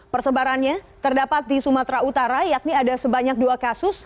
persebarannya terdapat di sumatera utara yakni ada sebanyak dua kasus